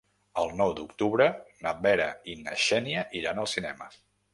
El nou d'octubre na Vera i na Xènia iran al cinema.